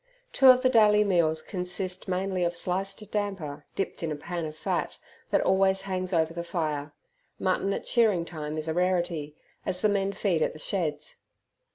Two of the daily meals consist mainly of sliced damper dipped in a pan of fat, that always hangs over the fire. Mutton at shearing time is a rarity, as the men feed at the sheds.